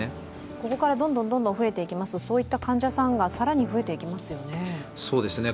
ここからどんどん増えていきますとそういった患者さんが更に増えていきますよね。